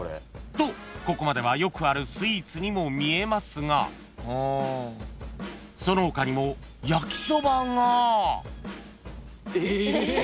［とここまではよくあるスイーツにも見えますがその他にもやきそばが］